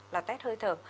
là test hơi thở